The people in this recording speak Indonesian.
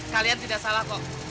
kalian tidak salah kok